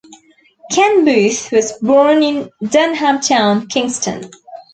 Ken Boothe was born in Denham Town, Kingston.